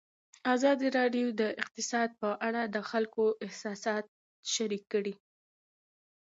ازادي راډیو د اقتصاد په اړه د خلکو احساسات شریک کړي.